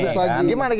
supaya lebih bagus lagi